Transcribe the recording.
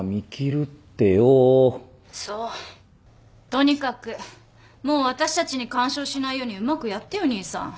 とにかくもう私たちに干渉しないようにうまくやってよ兄さん。